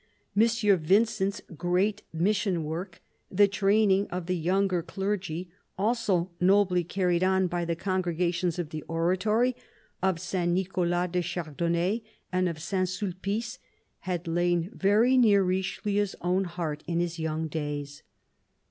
Monsieur Vincent's great Mission work, the training of the younger clergy, also nobly carried on by the congregations of the Oratory, of St. Nicolas du Chardonnet and of Saint Sulpice, had lain very near Richelieu's own heart in his young days.